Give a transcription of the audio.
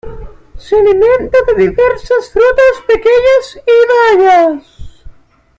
Se alimenta de diversas frutas pequeñas y bayas.